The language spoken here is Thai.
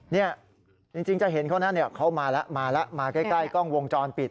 นี้จริงเขามาละมาแก้ร์กล้องวงจรปิด